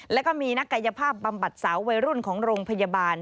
แล้วก็มีนักกายภาพบำบัดสาววัยรุ่นของโรงพยาบาล